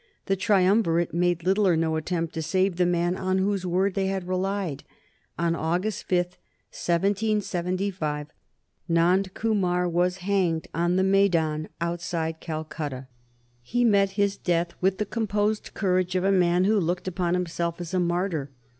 The triumvirate made little or no attempt to save the man on whose word they had relied. On August 5, 1775, Nand Kumar was hanged on the Maidan outside Calcutta. He met his death with the composed courage of a man who looked upon himself as a martyr.